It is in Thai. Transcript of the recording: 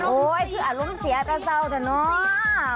คืออารมณ์เสียแต่เศร้าเถอะเนาะ